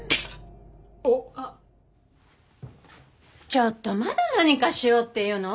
ちょっとまだ何かしようっていうの？